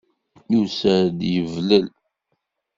Yusa-d yeblel.